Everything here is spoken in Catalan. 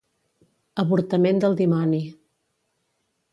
Avortament del dimoni.